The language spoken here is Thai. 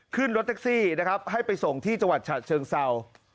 ขึ้นรถแท็กซี่นะครับให้ไปส่งที่จังหวัดฉะเชิงเศร้า